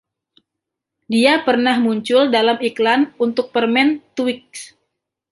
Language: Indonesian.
Dia pernah muncul dalam iklan untuk permen Twix.